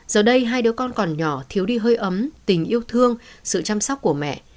giờ đây hai đứa con còn nhỏ thiếu đi hơi ấm tình yêu thương sự chăm sóc của mẹ